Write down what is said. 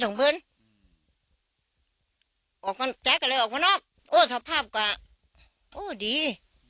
น้องบอกว่าแกคลิดอากออกมาหน้าว่าสภาพกลับโดยดี